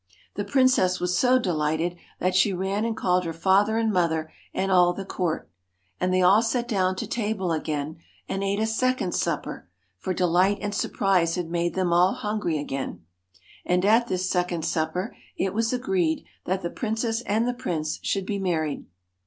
The princess was so delighted that she ran and called her father and mother and all the court And they all sat down to table again, and ate a second supper, for delight and surprise had made them all hungry again ; and at this second supper it was agreed that the princess and the prince should be married.